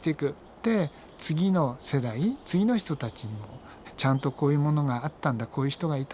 で次の世代次の人たちにもちゃんとこういうものがあったんだこういう人がいたんだ